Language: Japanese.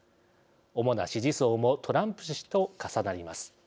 主な支持層もトランプ氏と重なります。